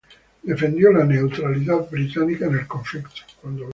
Defendió la neutralidad británica en el conflicto.